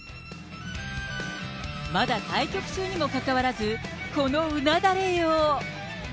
まだ対局中にもかかわらず、このうなだれよう。